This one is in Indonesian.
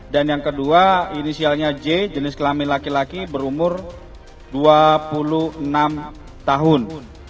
dan yang kedua inisialnya j jenis kelamin laki laki berumur dua puluh enam tahun